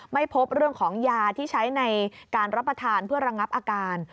ไม่พบเรื่องของยาที่ใช้ในการรับประทานเพื่อระงับอาการ